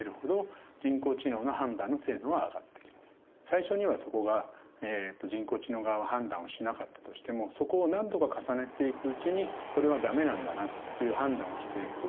最初にはそこが人工知能側は判断をしなかったとしてもそこを何度か重ねていくうちにこれは駄目なんだなっていう判断をしていく。